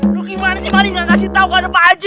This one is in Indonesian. lu gimana sih manis gak kasih tau gak ada panci